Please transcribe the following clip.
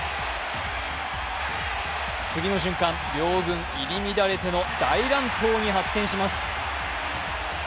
次の瞬間、両軍入り乱れての大乱闘に発展します。